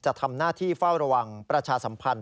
จะทำหน้าที่เฝ้าระวังประชาสัมพันธ์